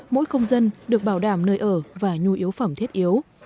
mỗi công dân được bảo đảm nơi ở và nhu yếu phẩm thiết yếu